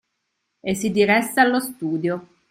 E si diresse allo studio.